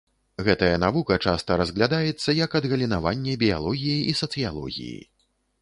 Гэтая навука часта разглядаецца як адгалінаванне біялогіі і сацыялогіі.